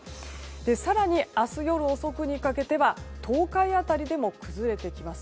更に、明日夜遅くにかけては東海辺りでも崩れてきます。